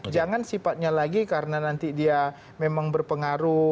jangan sifatnya lagi karena nanti dia memang berpengaruh